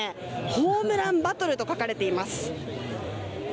ホームランバトルと書かれています。